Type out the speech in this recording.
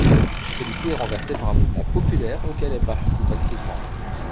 Celui-ci est renversé par un mouvement populaire auquel elle participe activement.